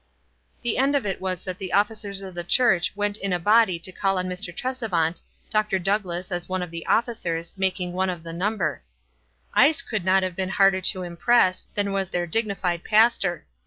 The end of it was that the officers of the church went i;i a body to call on Mr. Tresevant, Dr. Douglass, as one of the officers, making one of the number. lee could not have been harder to impress, than was their dignified pastor.